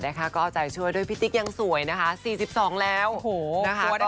ค่ะนะคะก็เอาใจช่วยด้วยพี่ติ๊กยังสวยนะคะสี่สิบสองแล้วโหนะคะ